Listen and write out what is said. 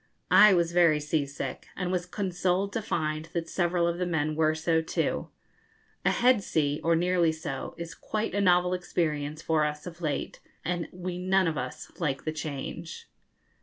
I was very sea sick, and was consoled to find that several of the men were so too. A head sea or nearly so is quite a novel experience for us of late, and we none of us like the change.